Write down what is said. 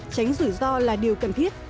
tránh rủi ro là điều cần thiết